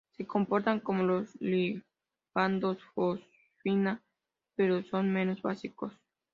Se comportan como los ligandos fosfina, pero son menos básicos.